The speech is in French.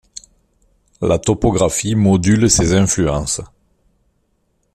La topographie module ces influences.